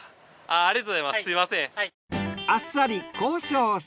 ありがとうございます。